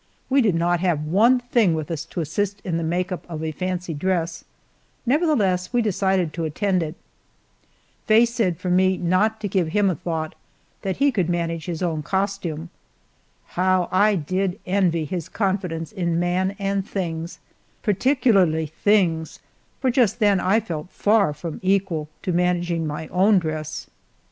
We did not have one thing with us to assist in the make up of a fancy dress; nevertheless we decided to attend it. Faye said for me not to give him a thought, that he could manage his own costume. How I did envy his confidence in man and things, particularly things, for just then I felt far from equal to managing my own dress.